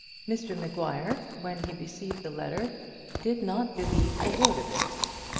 Mr Maguire when he received her letter, did not believe a word of it.